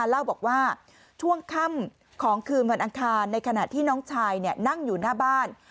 เล่าบอกว่าช่วงค่ำของคืนวันอังคารในขณะที่น้องชายนั่งอยู่หน้าบ้าน